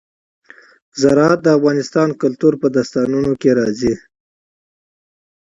زراعت د افغان کلتور په داستانونو کې راځي.